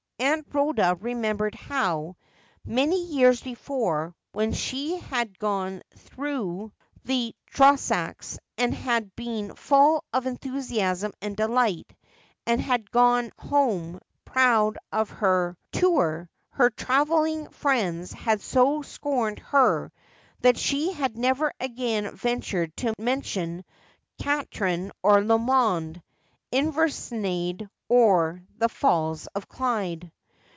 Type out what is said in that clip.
Aunt Rhoda remembered how, many years before, when she had gone through the Trossachs and had been full of enthusiasm and delight, and had gone home proud of her tour, her travelled friends had so scorned her that she had never again ventured to mention Katrine or Lomond, Inversnaid or the Falls of Clyde.